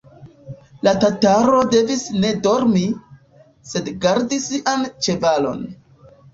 La tataro devis ne dormi, sed gardi sian ĉevalon.